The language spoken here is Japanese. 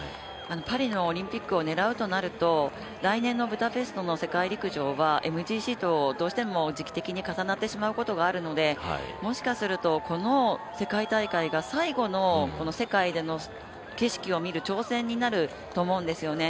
パリオリンピックを狙うとなると来年のブダペストの世界陸上はＭＧＣとどうしても時期的に重なってしまうところがあるのでもしかすると、この世界大会が最後の世界での景色を見る挑戦になると思うんですよね。